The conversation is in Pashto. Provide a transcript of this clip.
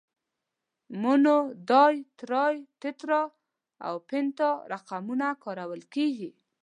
مونو، ډای، ترای، تترا او پنتا رقمونه کارول کیږي.